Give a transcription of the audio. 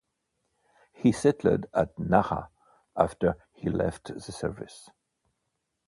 He settled at Nara after he left the service.